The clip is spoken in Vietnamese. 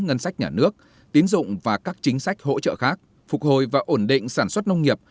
ngân sách nhà nước tín dụng và các chính sách hỗ trợ khác phục hồi và ổn định sản xuất nông nghiệp